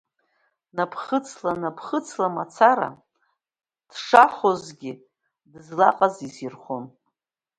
Напхыцла, напхыцла мацара, дшахозгьы дызлаҟаз изирхон.